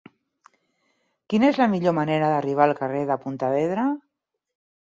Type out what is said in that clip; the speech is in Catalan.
Quina és la millor manera d'arribar al carrer de Pontevedra?